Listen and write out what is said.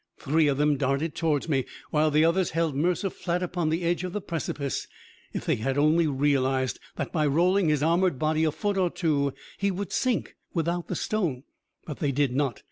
Three of them darted towards me, while the others held Mercer flat upon the edge of the precipice. If they had only realized that by rolling his armored body a foot or two, he would sink ... without the stone.... But they did not.